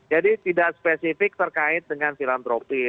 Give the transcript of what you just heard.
jadi tidak spesifik terkait dengan filantropi